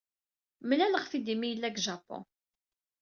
Mlaleɣ-t-id mi yella deg Japun.